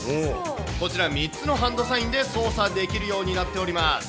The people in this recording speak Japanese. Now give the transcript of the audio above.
こちら３つのハンドサインで操作できるようになっております。